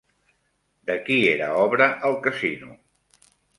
De qui era obra el casino?